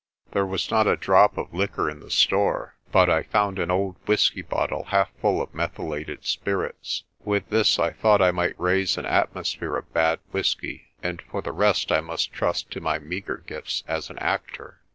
There was not a drop of liquor in the store, but I found an old whisky bottle half full of methylated spirits. With this I thought I might raise an atmosphere of bad whisky, and for the rest I must trust to my meagre gifts as an actor.